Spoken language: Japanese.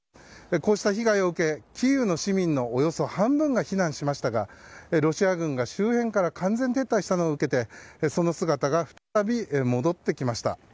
こうした被害を受けキーウの市民のおよそ半分が避難しましたがロシア軍が周辺から完全撤退したのを受けてその姿が再び戻ってきました。